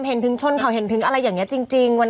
เห็นถึงชนเผาเห็นถึงอะไรอย่างนี้จริง